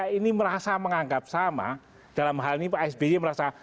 ini merasa menganggap sama dalam hal ini pak sby merasa